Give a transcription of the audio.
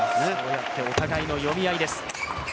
そうやってお互いの読み合いです。